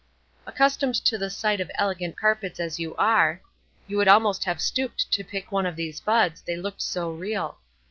Accustomed to the sight of elegant carpets as you are, you would almost have stooped to pick one of these buds, they looked so real.